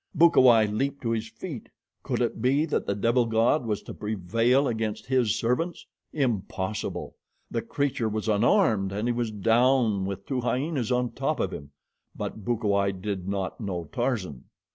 Bukawai leaped to his feet. Could it be that the devil god was to prevail against his servants? Impossible! The creature was unarmed, and he was down with two hyenas on top of him; but Bukawai did not know Tarzan.